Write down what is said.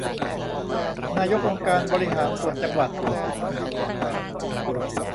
นายกองค์การบริหารส่วนจังหวัด